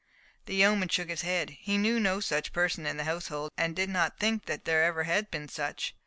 The yeoman shook his head. He knew no such person in the household, and did not think there ever had been such.